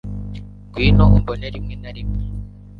ngwino umbone rimwe na rimwe